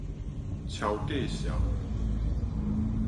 撨價數